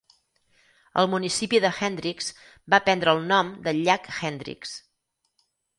El municipi de Hendricks va prendre el nom del Llac Hendricks.